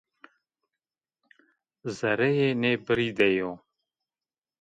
Zereyê nê birrî de yo